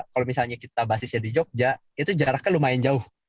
kalau misalnya kita basisnya di jogja itu jaraknya lumayan jauh